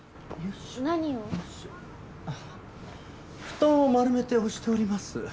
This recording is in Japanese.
布団を丸めて押しております。